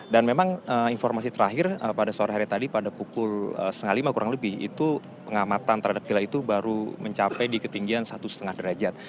memang informasi terakhir pada sore hari tadi pada pukul setengah lima kurang lebih itu pengamatan terhadap vila itu baru mencapai di ketinggian satu lima derajat